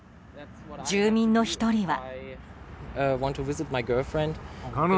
住民の１人は。